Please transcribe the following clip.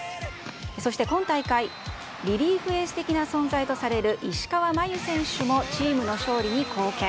そして今大会リリーフエース的な存在とされる石川真佑選手もチームの勝利に貢献。